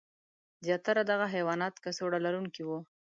زیاتره دغه حیوانات کڅوړه لرونکي وو.